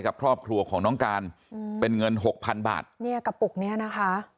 กับครอบครัวของน้องการอืมเป็นเงินหกพันบาทเนี่ยกระปุกเนี้ยนะคะ